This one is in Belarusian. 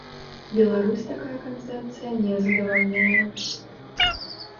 Беларусь такая канцэпцыя не задавальняе.